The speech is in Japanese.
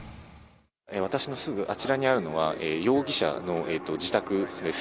私のすぐあちらにあるのは、容疑者の自宅です。